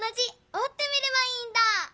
おってみればいいんだ！